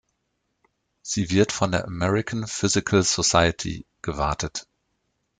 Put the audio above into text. Sie wird von der American Physical Society gewartet.